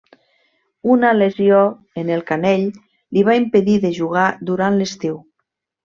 Una lesió en el canell li va impedir de jugar durant l'estiu.